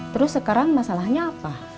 terus sekarang masalahnya apa